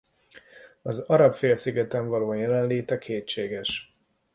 Az Arab-félszigeten való jelenléte kétséges.